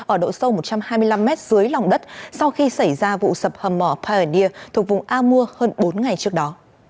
ở độ sâu một trăm hai mươi năm mét dưới lòng đất sau khi xảy ra vụ sập hầm mỏ pioneer thuộc vùng amur hơn bốn ngày trước đó